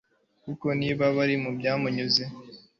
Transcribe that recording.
kuko niba biri mu byamunyuze